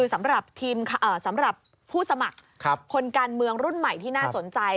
สำหรับผู้สมัครคนการเมืองรุ่นใหม่ที่น่าสนใจ